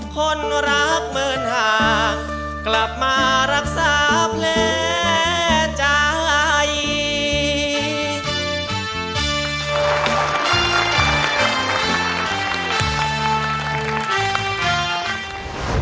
คนรักเหมือนห่างกลับมารักษาแผลใจ